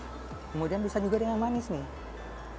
kemudian bisa juga dengan manis nih